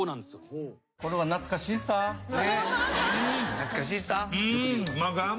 「懐かしいさ」